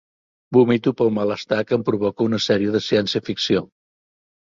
Vomito pel malestar que em provoca una sèrie de ciència ficció.